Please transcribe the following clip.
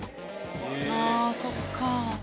ああそっか。